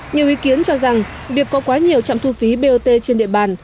nhiều ý kiến cho rằng việc có quá nhiều trạm thu phí bot trên địa bàn